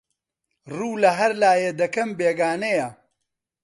ڕوو لەهەر لایێ دەکەم بێگانەیە